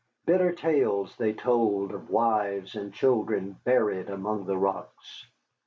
Bitter tales they told of wives and children buried among the rocks.